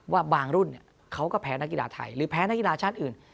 ว่าบางรุ่นเขาก็แพ้นักกีฬาไทยหรือแพ้นักกีฬาชาติอื่น